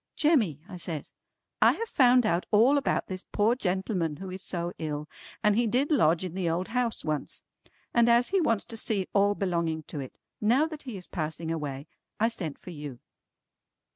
"Jemmy" I says, "I have found out all about this poor gentleman who is so ill, and he did lodge in the old house once. And as he wants to see all belonging to it, now that he is passing away, I sent for you."